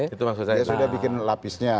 dia sudah bikin lapisnya